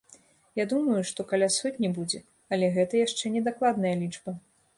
Я думаю, што каля сотні будзе, але гэта яшчэ не дакладная лічба.